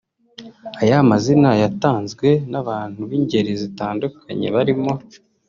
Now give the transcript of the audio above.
Aya mazina yatanzwe n’abantu b’ingeri zitandukanye barimo